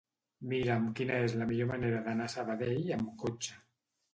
Mira'm quina és la millor manera d'anar a Sabadell amb cotxe.